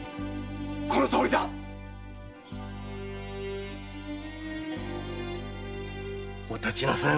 このとおりだ。お立ちなさいまし。